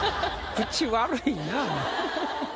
口悪いな。